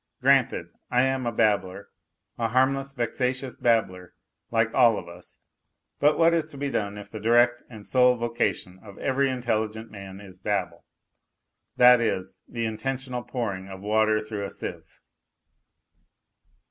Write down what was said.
Granted I am a babbler, a harmless vexatious babbler, like all of us. But what is to be done if the direct and sole vocation of every intelligent man is babble, that is, the intentional pouring of water through a sieve